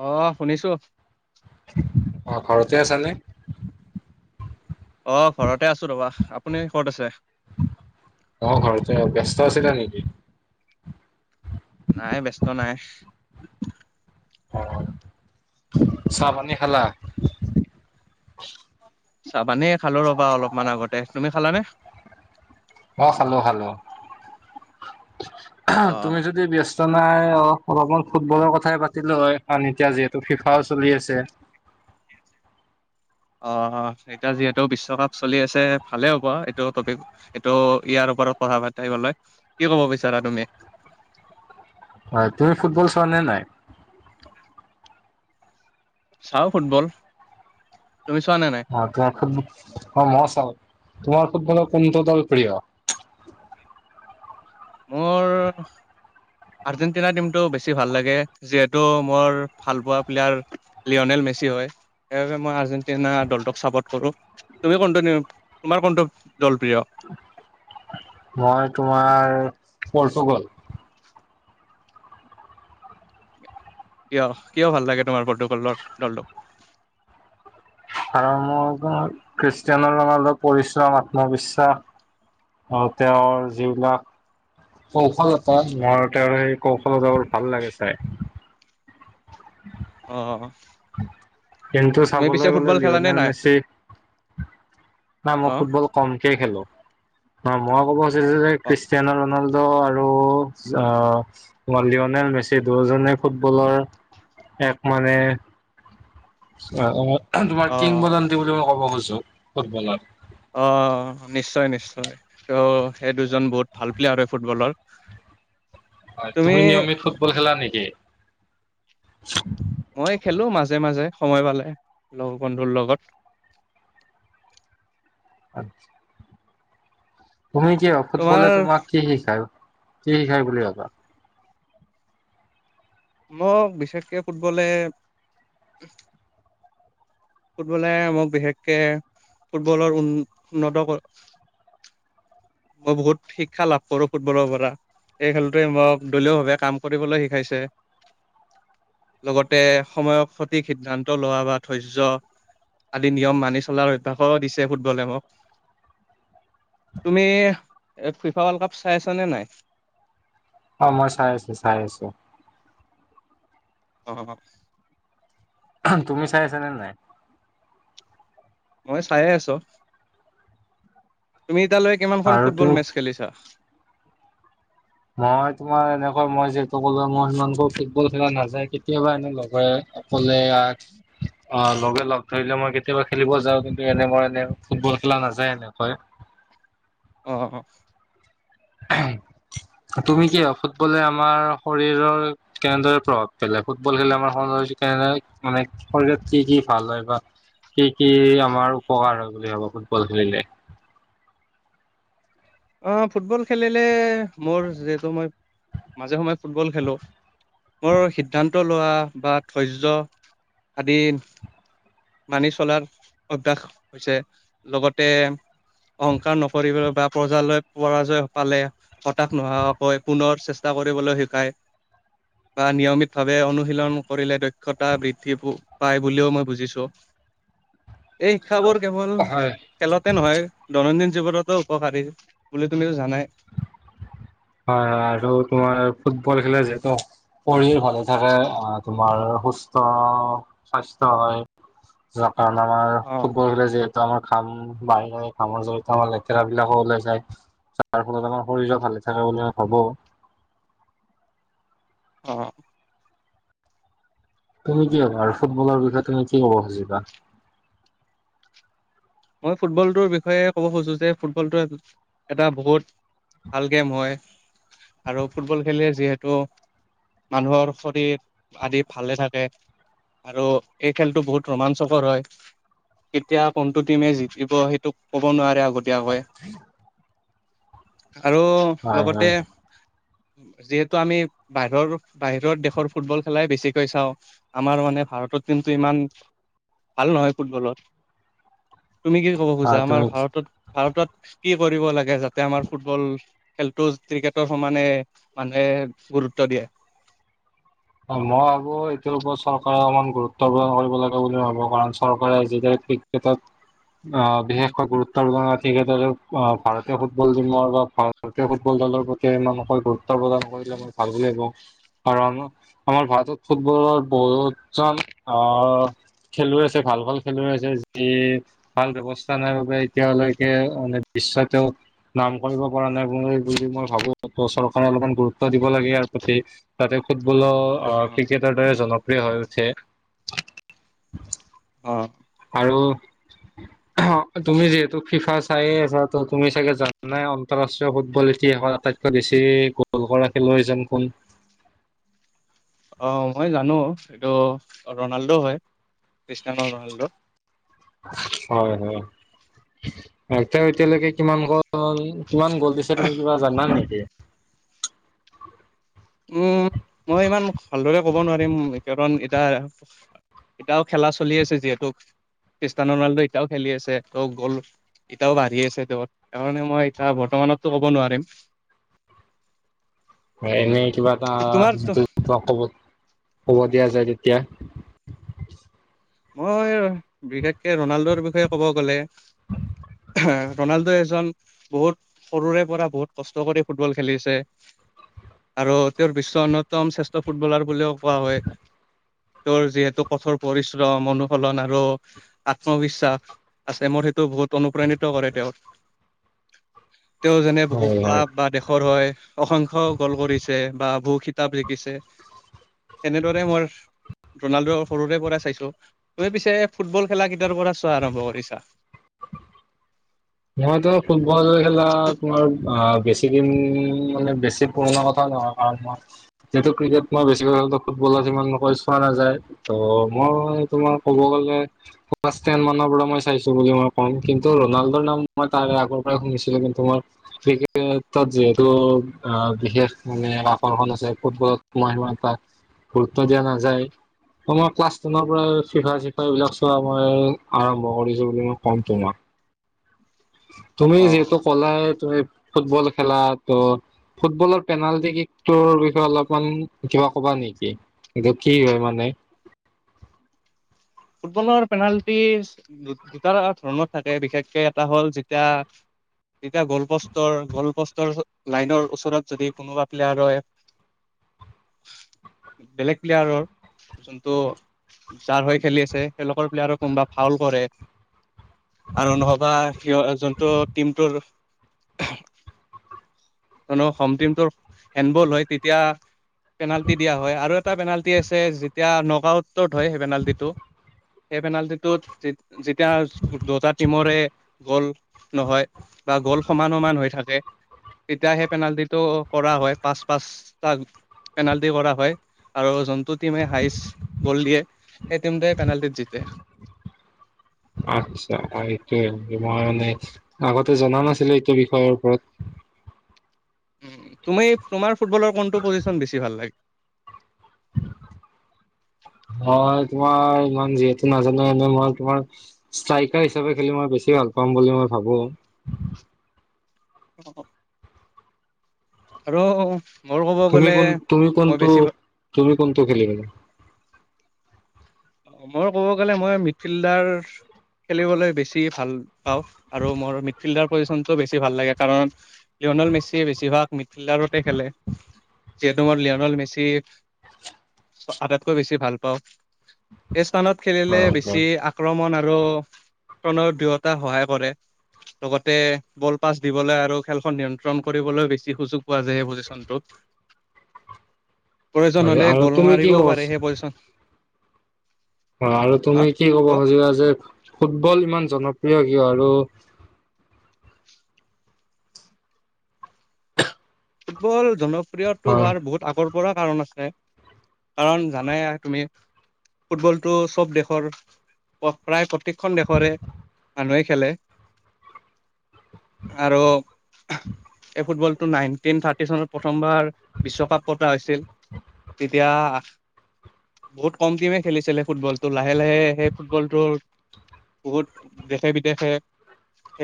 অ শুনিছো। অ ঘৰতে আছানে? অ ঘৰতে আছো ৰবা আপুনি কত আছে? অ ঘৰতে ব্যস্ত আছিলা নেকি? নাই ব্যস্ত নাই। অ চাহপানী খালা? চাপানী খালো ৰ'বা অলপমান আগতে। তুমি খালানে? অ খালো খালো। অহ তুমি যদি ব্যস্ত নাই অ অলপমান ফুটবলৰ কথাই পাতিলো হয় কাৰণ এতিয়া যিহেতু ফিফাও চলি আছে। [unintelligible] অ হ। এতিয়া যিহেতু বিশ্বকাপ চলি আছে ভালে হ'ব এইটো টপিক এইটো ইয়াৰ কথা পাতি থাকিবলৈ। কি ক'ব বিচাৰা তুমি? হয় তুমি ফুটবল চোৱা নে নাই? চাও ফুটবল। তুমি চোৱা নে নাই? অ তোমাৰ ফোনটো অ মাছ আও তোমাৰ ফুটবলৰ কোনটো দল প্ৰিয়? মোৰ। আৰ্জেণ্টিিশনাৰ টিমটো বেছি ভাল লাগে যিহেতু মোৰ ভালপোৱা প্লেয়াৰ লিঅ'নেল। মেচি হয়। সেইবাবে মই আৰ্জেন্টিনা দলটোক চাপৰ্ট কৰোঁ। তুমি কোনটো নিউ তোমাৰ কোনটো জলপ্ৰিয়? মই তোমাৰ পলৰ্টোগল। কিয় কিয় ভাল লাগে তোমাৰ পৰ্টোগলৰ দলটোক? আম ঘৰত খ্ৰীষ্টিয়ানৰ মানে অলপ পৰিশ্ৰম আত্মবিশ্বাস। আৰু তেওঁৰ যিবিলাক। কৌশলতা নৰতে আৰু সেই কৌশলতা বোৰ ভাল লাগে চাই। অ। কিন্তু তুমি চাবলৈ পিছে গ'লে ফুটবল খেলানে লিঅ'নেল নাই মেচি। না মই অ ফুটবল কমকে খেলোঁ। ন মই ক'ব খুজিছোঁ যে অ ক্ৰিষ্টিয়ানো ৰনল- ত আৰু আহ লিঅ'নেল মেচি দুয়োজনে ফুটবলৰ এক মানে। অ তোমাৰ অ কিংবদন্তি বুলি ম ক'ব খুজোঁ ফুটবলৰ। অ নিশ্চয় নিশ্চয় ত সেই দুজন বহুত ভাল প্লেয়াৰ হয় ফুটবলৰ। হয় তুমি নিয়মিত ফুটবল খেলা নেকি? মই খেলোঁ মাজে মাজে সময় পালে লগ বন্ধুৰ লগত। আতচ্ছা। তুমি কিয় ফুটবলে তোমাৰ তোমাক কি শিকায় কি শিকায় বুলি ভাবা। মোক বিশেষকে ফুটবলে- ফুটবলে মোক বিশেষকে ফুটবলৰ উ উন্নত- [inaudible] মই বহুত শিক্ষা লাভ কৰোঁ ফুটবলৰ পৰা। এই খেলটোৱে মোক দলীয়ভাৱে কাম কৰিবলৈ শিকাইছে। লগতে সময়ক সঠিক সিদ্ধান্ত লোৱা বা ধৈৰ্য্য। আদি নিয়ম মানি চলাৰ অভ্যাসো দিছে ফুটবলে মোক। [inaudible] তুমি ফিফা ৱৰ্ল্ড কাপ চাই আছ নে নাই। অ মই চাই আছোঁ চাই আছোঁ। অ। তুমি চাই আছা নে নাই? মই চাই আছোঁ তুমি? বিদ্যালয়ে কিমানখন আৰু ফুটবল তুমি মেচ খেলিছা? মই তোমাৰ এনেকা মই যিহেতু কলোঁ মই সিমানক ফুটবল খেলা নাযায় কেতিয়াবা এনে লগে- অকলে অ লগে লগ ধৰিলে মই কেতিয়াবা খেলিব যাওঁ কিন্তু এনে মই এনে ফুটবল- পতলা নাযায় এনেকই। অ অ। [unintelligible] তুমি কি ফুটবলে আমাৰ শৰীৰৰ কেনেদৰে প্ৰভাৱ পেলায় ফুটবল খেলে আমাৰ শৰীৰ- [unintelligible] মানে শৰীৰত কি কি ভাল হয় বা। কি কি আমাৰ উপকাৰ হয় বুলি ভাবা ফুটবল খেলিলে। অ ফুটবল খেলিলে মোৰ যিহেতু মই মাজে সময়ে ফুটবল খেলোঁ। মোৰ সিদ্ধান্ত লোৱা বা ধৈৰ্য আদি। মানি চলাৰ অভ্যাস হৈছে লগতে। অহংকাৰ নপৰিব বা- প্ৰজালয় পৰাজয় পালে হতাশ নোহোৱাকৈ পুনৰ চেষ্টা কৰিবলৈ শিকায়। বা নিয়মিতভাৱে অনুশীলন কৰিলে দক্ষতা বৃদ্ধি পায় বুলিও মই বুজিছোঁ। [inaudible] এই শিক্ষাবোৰ কেৱল হয় খেলতে নহয় দৈনন্দিন জীৱনতো। উপকাৰী বুলি তুমিও জানাই।। হয় হয় আৰু তোমাৰ ফুটবল খেলাতো যিহেতু পঢ়ি ভাল- ৰে তোমাৰ সুস্থ স্বাস্থ্য হয়। কাৰণ আমাৰ অ', ফুটবল [unintelligible] যে আমাৰ খাম বাহ ব খামৰ জৰিয়তে আমাৰ লেতেৰা বিলাকো ওলাই যায়। যাৰ ফলত আমাৰ শৰীৰো ভালে থাকে বুলি মই ভাবো। অ। তুমি কি ভাবা আৰু ফুটবলৰ বিষয়ে তুমি কি ক'ব খুজিবা? মই ফুটবলটোৰ বিষয়ে ক'ব খুজো যে ফুটবলটো এটা বহুত ভাল গেম হয় আৰু ফুটবল খেলিলে যিহেতু মানুহৰ শৰীৰ আদি ভালে থাকে। আৰু এই খেলতটো বহুত ৰোমাঞ্চকৰ হয় কেতিয়া কোন টো দিমে জিকিব সেইটো ক'ব নোৱাৰে আগতীয়াকৈ। আৰু হয় লগতে হয় যিহেতু আমি বাহিৰৰ বাহিৰত দেশৰ ফুটবল খেলাই বেছিক চাওঁ আমাৰ মানে ভাৰতৰ টিমটো ইমান ভাল নহয় ফুটবলত। তুমি কি ক'ব খোজা হয় আমাৰ তুমি ভাৰত ভাৰতত কি কৰিব লাগে যাতে আমাৰ ফুটবল খেলতটো ক্ৰিকেটৰ সমানে মানে গুৰুত্ব দিয়ে। [inaudible] মই আকৌ এইটোৰ ওপৰত চৰকাৰে অকমান গুৰুত্ব প্ৰদান কৰিব লাগে বুলি ভাবো। কাৰণ চৰকাৰে যেতিয়া [unintelligible] অ বিশেষকৈ গুৰুত্বপূৰ্ণ [unintelligible] ভাৰতীয় ফুটবল টিমৰ বা ভাৰতীয় ফুটবল দৰ প্ৰতি মানুৰ গুৰুত্ব প্ৰদান কৰিলে মই ভাল বুলি ভাবো। কাৰণ আমাৰ ভাৰতত ফুটবলৰ বহুত জন অ খেলুৱৈ আছে ভাল ভাল খেলুৱৈ আছে যি ভাল ব্যৱস্থা নাই। এতিয়ালৈকে মানে বিশ্বতে নাম কৰিব পৰা নাই বুলি বুলি মই ভাবো। চৰকাৰে অলপমান গুৰুত্ব দিব লাগে ইয়াৰ প্ৰতি, তাতে ফুটবলৰ ক্ৰিকেটৰ দৰে জনপ্ৰিয় হৈ উঠে। অ আৰু অ তুমি যিহেতু ফিফা চাইে আছা ত তুমি চাগে জান নাই আন্তৰাষ্ট্ৰীয় ফুটবল কল আটাইতকৈ বেছি গল কৰা খেলুৱৈ জন কোন? অ মই জানো এইটো ৰনাল্ডো হয়। খ্ৰীষ্টানো ৰনাল্ডো হয় হয়। তেওঁ এতিয়ালৈকে কিমান ক কিমান গ'ল দিছে তুমি কিবা জানা নেকি? উম মই ইমান ভালদৰে ক'ব নোৱাৰিম কাৰণ এতিয়া এতিয়াও খেলা চলি আছে যিহেতু। খ্ৰীষ্টান ৰনাল্ডো এতিয়াও খেলি আছে তেওঁ গ'ল এতিয়াও বাঢ়ি আছে তেওঁৰ। কাৰনে মই এতিয়া বৰ্তমান মনতো ক'ব নোৱাৰিম। [inaudible] এনে কিবা এটা তোমাৰ য তোমাক কব কব দিয়া যায় তেতিয়া? [inaudible] মই বিশেষকে ৰনাল্ডৰ বিষয়ে ক'ব গ'লে ৰনাল্ডো এজন বহুত সৰুৰে পৰা বহুত কষ্ট কৰি ফুটবল খেলিছে। আৰু তেওঁৰ বিশ্বৰ অন্যতম শ্ৰেষ্ঠ ফুটবলাৰ বুলিও কোৱা হয়। তোৰ যিহেতু কঠোৰ পৰিচম অনুশলন আৰু আত্মবিশ্বাস আছে মোৰ সেইটো বহুত অনুপ্ৰাণিত কৰে তেওঁৰ। [inaudible] তেওঁ যেনে বহু হয় হয়। ক্লাব বা দেশৰ হয় অসংখ্য গল কৰিছে বা বহু খিতাপ জিকিছে সনেদৰে মই ৰনাল্ডো সৰুৰে পৰাই চাইছো। তুমি পিছে ফুটবল খেলা কেইটাৰ পৰা চোৱা আৰম্ভ কৰিছা? মই ত ফুটবল খেলা তোমাৰ অ বেছি ছিকিম মানে বেছি পুৰণা কথাই নহয় কাৰণ মই যিহেতু ক্ৰিকেট মই বেছিকৈ ফুটবলত মানকৈ চোৱা নাযায় ত মই ক'ব গলেলােন ম পৰা মই চাইছো বুলি মই কম কিন্তু ৰোনাল্ডো নাম মই তাৰে আগৰ পৰাই শুনিছিলো কিন্তু মই ক্ৰিকেটত যিহেতু অ বিশেষ মানে আকৰ্ষণ আছে ফুটবলতোমই সমান এ তাক গুৰুত্ব দিয়া নাযায় আমাৰ ক্লাছ টেনৰ পৰািফা চিফা এইবলাক চোৱাই আৰম্ভ কৰিছো বুলি মই কম তোমাক তুমি অ যিহেতু কলা তুমি ফুটবল খেলা ত ফুটবলৰ পেনাল্টিৰ বিষয়ে অলপমান কিবা কবা নেকি কিটো কি হয় মানে [inaudible] ফুটবলৰ পেনাল্টি দুটা ধৰণত থাকে বিশেষকে এটা হ'ল যেতিয়া তেতিয়া গ'ল প'ষ্টৰ গ'ল প'ষ্টৰ লাইনৰ ওচৰত যদি কোনোবা প্লেয়াৰই বেলেগ প্লেয়াৰৰ যোনটো যাৰ হয় খেলি আছে তেওঁলোকৰ প্লেয়াৰো কোনোবা ভাল কৰে আৰু নহবা সিঁ যোনটো টিমটোৰ হ টিমটোৰ হেণ্ডবল হয় তেতিয়া পেনাল্টি দিয়া হয় আৰু এটা পেনাল্টি আছে যেতিয়া নগউটত হয় সেই পেনাল্টিটো সেই পেনাল্টিটোত যেতিয়া দুটা টিমৰে গ'ল নহয় বা গ'ল সমান সমান হৈ থাকে তেতিয়া সেই পেনাল্টিটো কৰা হয় পাঁচ পাঁচটা পেনাল্টি কৰা হয় আৰু যোনটো টিমে হাই গ'ল দিয়েেই তেতিম দে পেনাল্টিত জতে আচ্ছা এইটোৱে মই মানে আগতে জনা নাছিলো এইটো বিষয়ৰ ওপৰত [inaudible] উ তুমি তোমাৰ ফুটবলৰ কোনটো পজিশন বেছি ভাল লাগে উ হয় তোমাৰ ইমান যিহেতু নাজানে এনে মই তোমাৰ ষ্ট্ৰাইকাৰ হিচাপে খেলি মই বেছি ভাল পাম বুলি মই ভাবো উ ৰ' তুমি কোন তুমি কোনটো তুমি কোনটো খেলিব অ মই ক'ব গ'লে মই মিডফিল্ডাৰ খেলিবলৈ বেছি ভাল পাওঁ আৰু মোৰ মিড ফিল্ডাৰ পজিচনটো বেছি ভাল লাগে কাৰণ লি'নল্ মেচিয় বেছিভাগ মিডফিল্ডাৰতে খেলে চিয়েডমৰ লিঅ'নল মেচি আটাইতকৈ বেছি ভাল পাওঁ স্থানত খেলিলে হয় হয় বেছি আক্ৰমণ আৰুণ দুয়তা সহায় কৰে লগতে বল পাছ দিবলৈ আৰু খেলখন নিয়ন্ত্ৰণ কৰিবলৈ বেছি সুযোগ পোৱা যায় সেই পজিশনতটোত [inaudible] হ'লে আৰু গ'ল তুমি কি মাৰিবও পাৰে সেই কবছ পজিশন হয় আৰু হা তুমি কি ক'ব ত' খুজিবা যে ফুটবল ইমান জনপ্ৰিয় কিয় আৰু ফুটবল জনপ্ৰিয়তটো হয় হোৱাৰ বহুত আগৰ পৰা কাৰণ আছে কাৰণ জানে তুমি ফুটবলটো চব দেশৰ প্ৰায় প্ৰত্যেকখন দেশৰে মানুহে খেলে [inaudible] আৰু এই ফুটবলটো নাইন টিন থাৰ্টি চনত প্ৰথমবাৰ বিশ্বকাপ পতা হৈছিল তেতিয়া বহুত কম টিমে খেলিছিলে ফুটবলটো লাহে লাহে সেই ফুটবলটো বহুত দেখে বিদেশে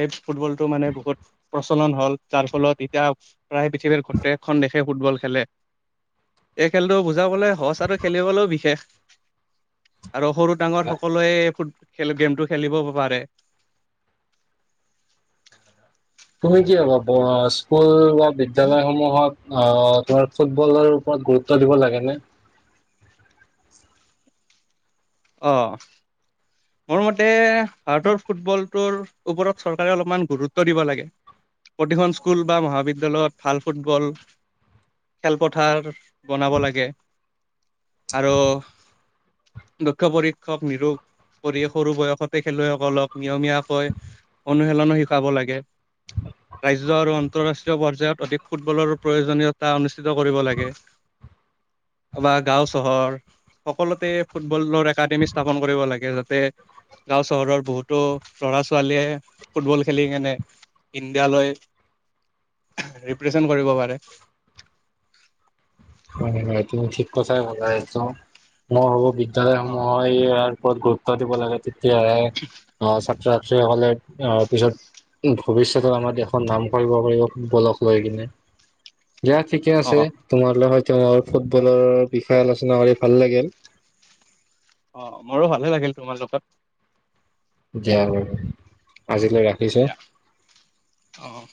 এই ফুটবলটো মানে বহুত প্ৰচলন হ'ল যাৰ ফলত এতিয়া প্ৰায় পৃথিৱীৰ গোট্যেকখন দেশে ফুটবল খেলে এই খেলটো বুজাবলৈ সঁচাটো খেলিবলৈও বিশেষ আৰু সৰু ডাঙৰ সকলোৱে ফুটব খেল গেমটো খেলিব পাৰে হয় তুমি কি হব স্কুল বা বিদ্যালয়সমূহত আহ তোমাৰ ফুটবলৰ ওপৰত গুৰুত্ব দিব লাগে নে [inaudible] অ মোৰ মতে ভাৰতৰ ফুটবল তৰ ওপৰত চৰকাৰে অলপমান গুৰুত্ব দিব লাগে প্ৰতিখন স্কুল বা মহাবিদ্যালয়ত ভাল ফুটবল খেলপথাৰ বনাব লাগে আৰু দক্ষ পৰীক্ষক নিৰূপ কৰি সৰু বয়সতে খেলুৱৈসকলক নিয়মীয়াকৈ অনুশীলনো শিকাব লাগে ৰাজ্য আৰু আন্তৰাষ্ট্ৰীয় পৰ্যায়ত অধিক ফুটবলৰ প্ৰয়োজনীয়তা অনুষ্ঠিত কৰিব লাগে [inaudible] বা গাও চহৰ সকলোতে ফুটবলৰ একাডেমি স্থাপন কৰিব লাগে যাতে গাঁও চহৰৰ বহুতো লৰা ছোৱালীয়ে ফুটবল খেলি কেনে ইণ্ডিয়া লৈ [unintelligible] ৰিপ্ৰেজেণ্ট কৰিব পাৰে [unintelligible] হয় ন তুমি ঠিক কথাই বজাই আছ মই ভবো বিদ্যালয়ৰ অ সমূহৰ এই ওপৰত গুৰুত্ব দিব লাগে তেতিয়াহে আহ ছাত্ৰ ছাত্ৰীসকলে আহ পিছত ভৱিষ্যতত আমাৰ দেশৰ নাম কৰিব পাৰিব ফুটবলক লৈ কিনে। যা ঠিকে আছে অ তোমাৰ হয় তেওঁ ফুটবলৰ বিষয়ে আলোচনা কৰি ভাল লাগিল। অঁ মোৰো ভালে লাগিল তোমাৰ লগত যাম ই অঁ'